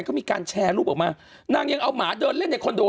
วันที่พรุ่งนี้เป็นวันเดทไลน์